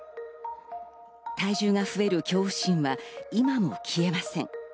体重が増える恐怖心は今も消えません。